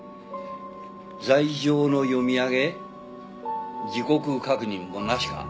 罪状の読み上げ時刻確認もなしか？